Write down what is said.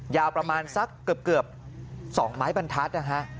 ยาวประมาณสักเกือบ๒ไม้บรรทัศน์นะฮะ